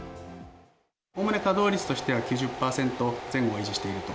おおむね稼働率としては９０％前後を維持していると。